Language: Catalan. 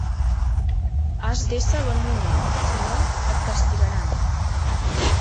Has d'ésser bon minyó; si no, et castigaran.